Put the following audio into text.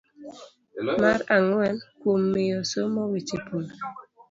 Mar ang'wen, kuom miyo somo weche pur